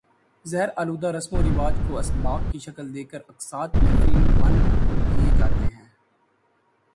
زہر آلودہ رسم و رواج کو اسباق کی شکل دے کر اقساط میں فلم بند کئے جاتے ہیں